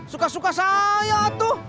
suka suka saya tuh